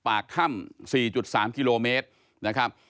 ปากถ้ำ๔๓กิโลเมตรนะครับ